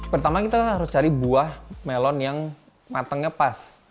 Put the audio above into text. pertama kita harus cari buah melon yang matangnya pas